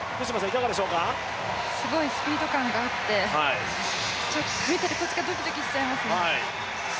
すごいスピード感があって、見ているこっちがドキドキしちゃいますね。